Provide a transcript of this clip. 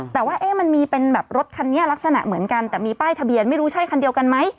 แต่ว่ามันมีเป็นแบบรถคันนี้ลักษณะเหมือนกันแต่มีป้ายทะเบียนไม่รู้ใช่คันเดียวกันไหม